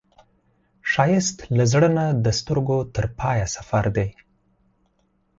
ښایست له زړه نه د سترګو تر پایه سفر دی